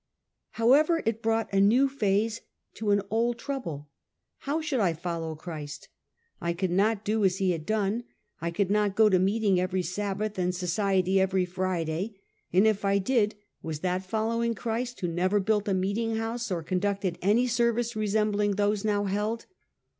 However, it brought a new phase to an old trouble. How should I follow Christ? I could not do as he had done. I could not go to meeting every Sabbath, and society every Friday; and if I did, was that fol lowing Christ who never built a meeting house, or conducted any service resembling those now held?